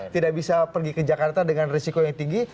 tidak bisa pergi ke jakarta dengan risiko yang tinggi